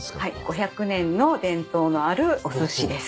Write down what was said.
５００年の伝統のあるおすしです。